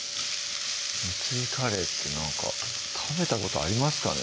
無水カレーってなんか食べたことありますかね？